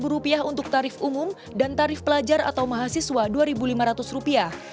rp lima untuk tarif umum dan tarif pelajar atau mahasiswa rp dua lima ratus